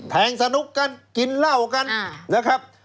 สนุกกันกินเหล้ากันนะครับ